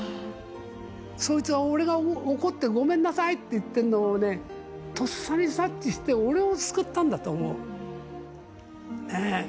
そいつは俺が怒ってごめんなさいって言ってるのをね、とっさに察知して、俺を救ったんだと思う、ねえ。